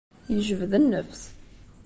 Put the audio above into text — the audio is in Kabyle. Yejbed nnefs.